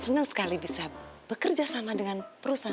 saya senang sekali bisa bekerja sama dengan perusahaan ini